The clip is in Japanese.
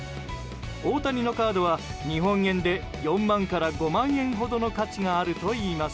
大谷のカードは日本円で４万から５万円ほどの価値があるといいます。